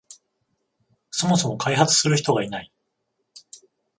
そもそも開発する人がいない